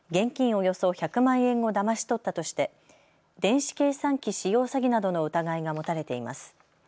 およそ１００万円をだまし取ったとして電子計算機使用詐欺などの疑いが持たれています。